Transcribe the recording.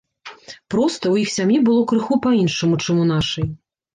Проста, у іх сям'і было крыху па-іншаму, чым у нашай.